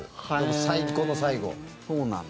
最後の最後。